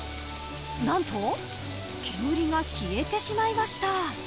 なんと煙が消えてしまいました。